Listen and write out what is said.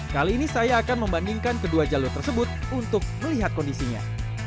kali ini saya akan membandingkan kedua jalur tersebut untuk melihat kondisinya